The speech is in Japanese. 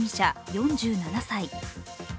４７歳。